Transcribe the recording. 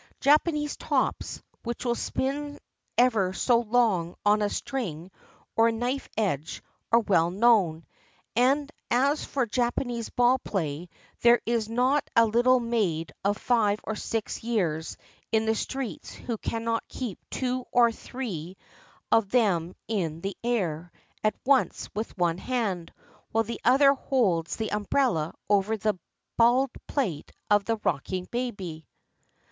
Japanese tops, which will spin ever so long on a string or a knife edge, are well known; and as for Japanese ball play, there is not a little maid of five or six years in the streets who cannot keep two or three of them in the air at once with one hand, while the other holds the umbrella over the bald pate of the rocking baby.